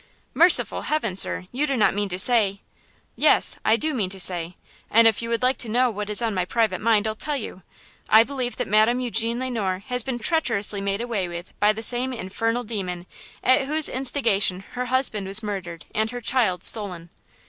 "Merciful heaven, sir! you do not mean to say–" "Yes; I do mean to say; and if you would like to know what is on my private mind I'll tell you. I believe that Madame Eugene Le Noir has been treacherously made away with by the same infernal demon at whose instigation her husband was murdered and her child stolen."